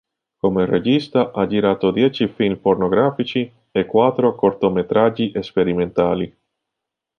Come regista ha girato dieci film pornografici e quattro cortometraggi sperimentali.